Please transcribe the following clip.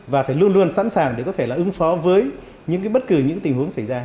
và phải luôn luôn sẵn sàng để có thể là ứng phó với những bất kỳ những tình huống xảy ra